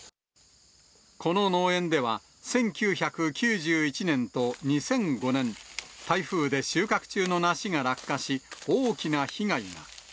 この農園では、１９９１年と２００５年、台風で収穫中の梨が落下し、大きな被害が。